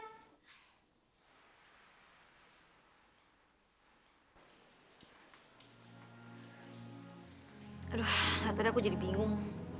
aduh aku jadi bingung